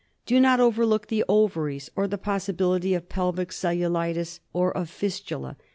Do not overlook the ovaries, or the possibility of pelvic cellulitis, or of fistula.